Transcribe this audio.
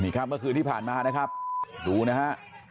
ครับเมื่อคืนที่ผ่านมานะครับดูนะฮะ